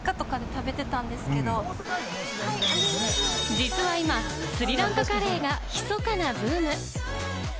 実は今、スリランカカレーが密かなブーム。